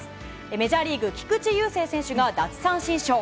メジャーリーグ、菊池雄星選手が奪三振ショー。